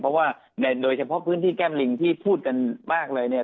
เพราะว่าโดยเฉพาะพื้นที่แก้มลิงที่พูดกันมากเลยเนี่ย